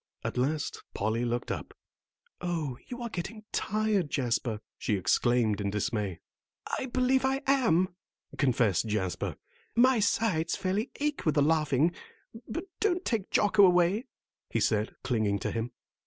At last Polly looked up, "Oh, you are getting tired, Jasper," she exclaimed in dismay. "I believe I am," confessed Jasper; "my sides fairly ache with the laughing. But don't take Jocko away," he said, clinging to him.